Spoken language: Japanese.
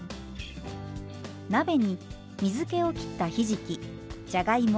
鍋に水けをきったひじきじゃがいも